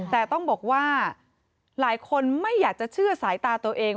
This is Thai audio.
แต่ต้องบอกว่าหลายคนไม่อยากจะเชื่อสายตาตัวเอง